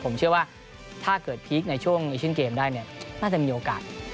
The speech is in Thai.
ผมเชื่อว่าถ้าเกิดพีคในช่วงเอเชียนเกมได้เนี่ยน่าจะมีโอกาส